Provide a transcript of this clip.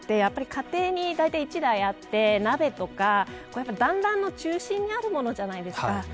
家庭にだいたい１台あって鍋とかだんらんの中心にあるものじゃないですか。